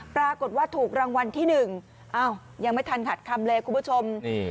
ปรากฏว่าถูกรางวัลที่๑อ้าวยังไม่ทันขัดคำเลยคุณผู้ชม